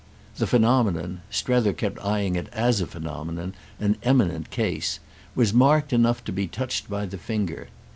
The phenomenon—Strether kept eyeing it as a phenomenon, an eminent case—was marked enough to be touched by the finger.